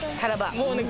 もうね